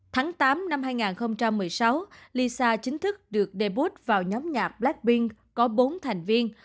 tháng tám năm hai nghìn một mươi sáu lisa chính thức được debot vào nhóm nhạc blackpink có bốn thành viên